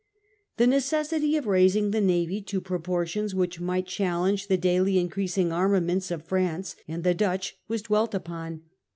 * The necessity of raising the navy to proportions which might challenge the daily increasing armaments of F ranee and the Dutch was dwelt upon.